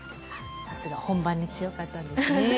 さすが本番に強かったんですね。